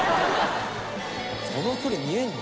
その距離見えるの？